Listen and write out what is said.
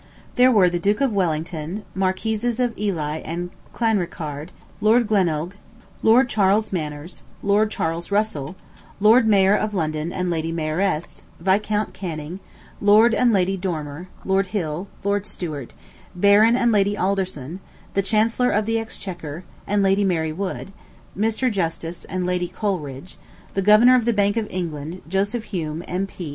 There were the Duke of Wellington, Marquises of Ely and Clanricarde, Lord Glenelg, Lord Charles Manners, Lord Charles Russell, Lord Mayor of London and Lady Mayoress, Viscount Canning, Lord and Lady Dormer, Lord Hill, Lord Stuart, Baron and Lady Alderson, the Chancellor of the Exchequer, and Lady Mary Wood; Mr. Justice and Lady Coleridge, the Governor of the Bank of England, Joseph Hume, M.P.